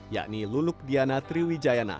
yakni luluk diana triwijayana